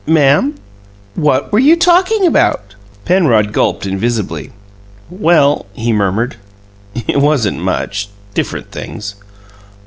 "Ma'am?" "What were you talking about?" Penrod gulped invisibly. "Well," he murmured, "it wasn't much. Different things."